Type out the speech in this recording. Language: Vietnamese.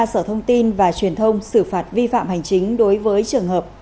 sở thông tin và truyền thông xử phạt vi phạm hành chính đối với trường hợp